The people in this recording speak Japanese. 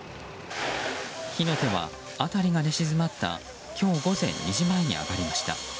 火の手は、辺りが寝静まった今日午前２時前に上がりました。